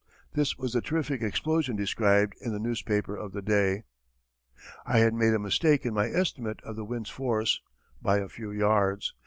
This was the terrific explosion described in the newspaper of the day. I had made a mistake in my estimate of the wind's force, by a few yards.